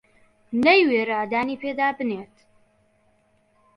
نەیوێرا دانی پێدا بنێت